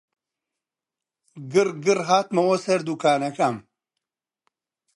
گڕگڕ هاتمەوە سەر دووکانەکەم